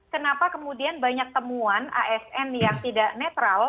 kenapa kemudian banyak temuan asn yang tidak netral